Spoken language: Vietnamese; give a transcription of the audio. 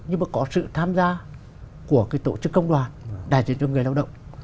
nhưng mà có sự tham gia của tổ chức công đoàn